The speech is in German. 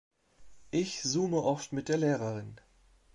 Ich zoome oft mit der Lehrerin.